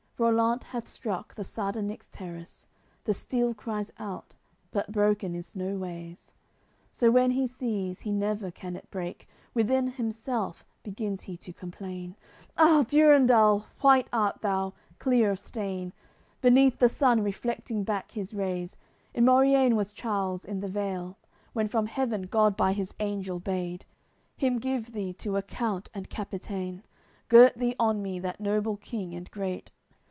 CLXXII Rollant hath struck the sardonyx terrace; The steel cries out, but broken is no ways. So when he sees he never can it break, Within himself begins he to complain: "Ah! Durendal, white art thou, clear of stain! Beneath the sun reflecting back his rays! In Moriane was Charles, in the vale, When from heaven God by His angel bade Him give thee to a count and capitain; Girt thee on me that noble King and great.